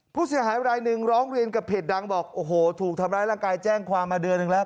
ผู้เสียหายรายหนึ่งร้องเรียนกับเพจดังบอกโอ้โหถูกทำร้ายร่างกายแจ้งความมาเดือนหนึ่งแล้ว